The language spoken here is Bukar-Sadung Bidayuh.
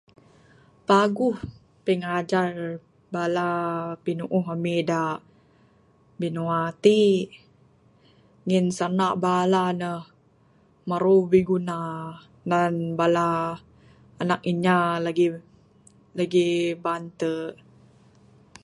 Paguh pingajar bala pinuuh ami' da binua ti'. Ngin sanda' bala ne maru biguna nan bala anak inya lagi, lagi bante.